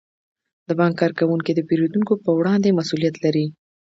د بانک کارکوونکي د پیرودونکو په وړاندې مسئولیت لري.